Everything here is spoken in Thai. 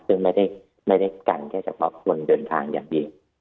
ซึ่งไม่ได้กันแค่เฉพาะคนเดินทางอย่างเดียว